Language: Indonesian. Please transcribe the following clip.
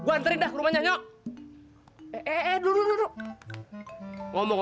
eh tenang tenang